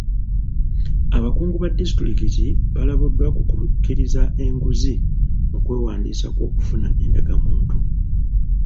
Abakungu ba disitulikiti balabuddwa ku kukkiriza enguzi mu kwewandiisa kw'okufuna endagamuntu.